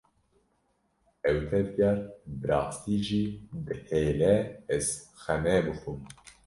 Ew tevger bi rastî jî dihêle ez xemê bixwim.